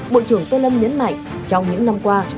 bộ trưởng tô lâm nhấn mạnh trong những năm qua